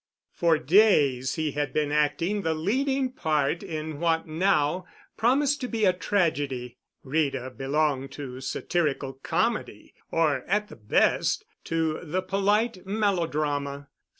For days he had been acting the leading part in what now promised to be a tragedy. Rita belonged to satirical comedy or, at the best, to the polite melodrama.